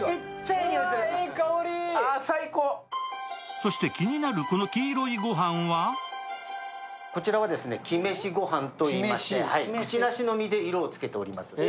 そして気になるこの黄色いご飯はこちらは黄飯ご飯といいまして、くちなしの実で色をつけております。